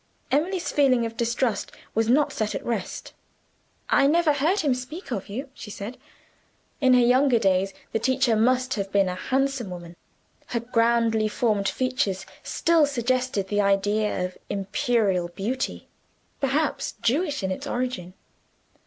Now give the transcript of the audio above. Emily's feeling of distrust was not set at rest. "I never heard him speak of you," she said. In her younger days the teacher must have been a handsome woman. Her grandly formed features still suggested the idea of imperial beauty perhaps Jewish in its origin.